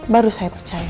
baru saya percaya